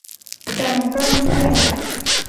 ดากลั้นเยี่ยว